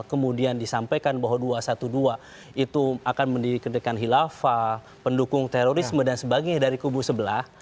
kemudian disampaikan bahwa dua ratus dua belas itu akan mendirikan hilafah pendukung terorisme dan sebagainya dari kubu sebelah